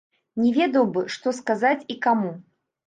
Не ведаў бы, што сказаць і каму.